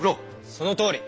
そのとおり！